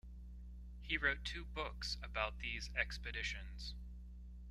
He wrote two books about these expeditions.